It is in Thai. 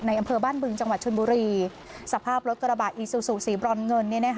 อำเภอบ้านบึงจังหวัดชนบุรีสภาพรถกระบะอีซูซูสีบรอนเงิน